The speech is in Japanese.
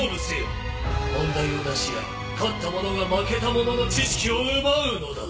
問題を出し合い勝った者が負けた者の知識を奪うのだ！